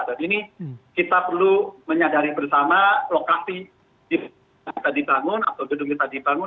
dan ini kita perlu menyadari bersama lokasi di mana kita dibangun atau gedung kita dibangun